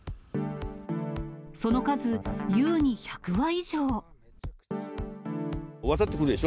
その数、渡ってくるでしょ。